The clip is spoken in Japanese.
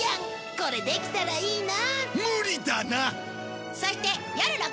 これできたらいいな